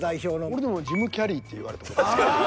俺でもジム・キャリーって言われた事ある。